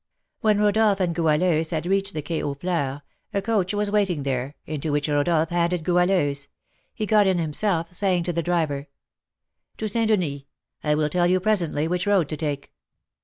When Rodolph and Goualeuse had reached the Quai aux Fleurs, a coach was waiting there, into which Rodolph handed Goualeuse. He got in himself, saying to the driver: "To St. Denis; I will tell you presently which road to take."